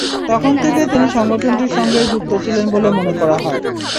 তখন থেকে তিনি সংগঠনটির সঙ্গেই যুক্ত ছিলেন বলে মনে করা হয়।